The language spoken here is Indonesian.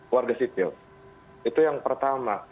warga sipil itu yang pertama